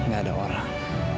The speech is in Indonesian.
gak ada orang